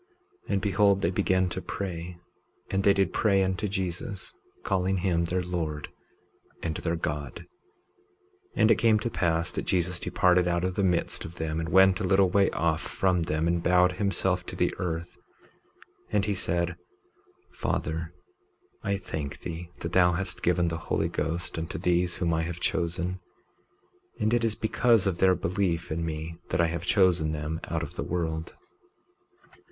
19:18 And behold, they began to pray; and they did pray unto Jesus, calling him their Lord and their God. 19:19 And it came to pass that Jesus departed out of the midst of them, and went a little way off from them and bowed himself to the earth, and he said: 19:20 Father, I thank thee that thou hast given the Holy Ghost unto these whom I have chosen; and it is because of their belief in me that I have chosen them out of the world.